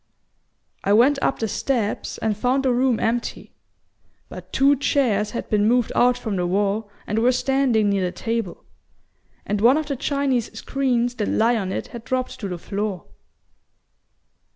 I went up the steps and found the room empty; but two chairs had been moved out from the wall and were standing near the table; and one of the Chinese screens that lie on it had dropped to the floor."